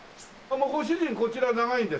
ご主人こちら長いんですか？